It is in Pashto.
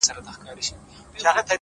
حالات خراب دي مځکه ښورې مه ځه!!